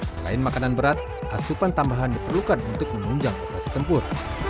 selain makanan berat asupan tambahan diperlukan untuk menunjang operasi tempur